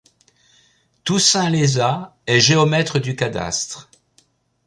Toussaint Lézat est géomètre du cadastre.